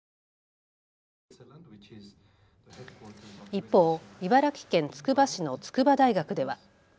一方、茨城県つくば市の筑波大学では。